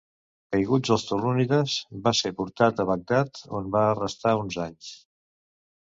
Caiguts els tulúnides va ser portat a Bagdad on va restar uns anys.